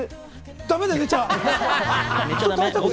だめだよ、寝ちゃ。